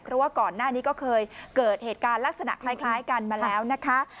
เพราะว่าก่อนหน้านี้ก็เคยเกิดเหตุการณ์ลักษณะคล้ายกันมาแล้วนะคะ